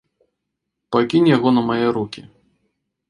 Пакінь яго на мае рукі.